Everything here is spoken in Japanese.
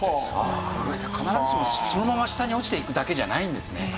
じゃあ必ずしもそのまま下に落ちていくだけじゃないんですね。